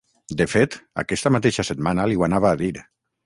De fet, aquesta mateixa setmana li ho anava a dir.